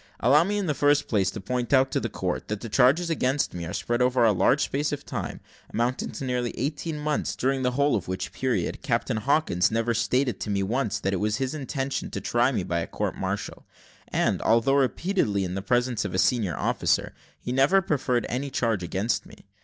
Allow me, in the first place, to point out to the court, that the charges against me are spread over a large space of time, amounting to nearly eighteen months, during the whole of which period, Captain Hawkins never stated to me that it was his intention to try me by a court martial; and, although repeatedly in the presence of a senior officer, has never preferred any charge against me.